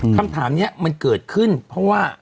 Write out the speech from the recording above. คำถามนี้มันเกิดขึ้นเพราะว่า